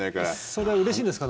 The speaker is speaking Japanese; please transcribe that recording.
それはうれしいんですか？